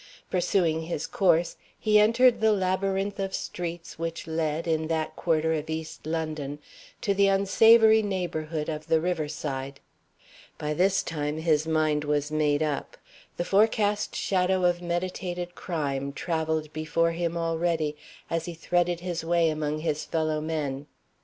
Pursuing his course, he entered the labyrinth of streets which led, in that quarter of East London, to the unsavory neighborhood of the river side. By this time his mind was made up. The forecast shadow of meditated crime traveled before him already, as he threaded his way among his fellow men.